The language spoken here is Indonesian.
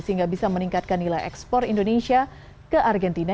sehingga bisa meningkatkan nilai ekspor indonesia ke argentina